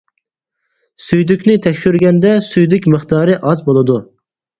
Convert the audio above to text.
سۈيدۈكنى تەكشۈرگەندە سۈيدۈك مىقدارى ئاز بولىدۇ.